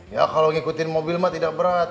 ya kalau ngikutin mobil mah tidak berat